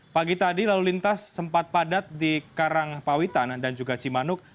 pagi tadi lalu lintas sempat padat di karangpawitan dan juga cimanuk